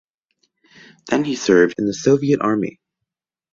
Then he served in the Soviet army.